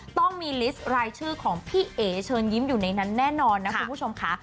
ต้องมีลิสต์รายชื่อของพี่เอ๋เชิญยิ้มอยู่ในนั้นแน่นอนนะคุณผู้ชมค่ะ